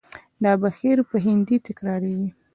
دا بهیر به همداسې تکرارېږي.